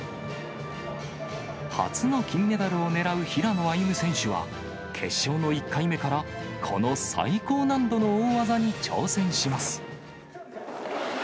初の金メダルを狙う平野歩夢選手は、決勝の１回目から、この最高難度の大技に挑戦します。